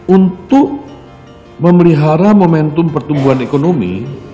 untuk memelihara momentum pertumbuhan ekonomi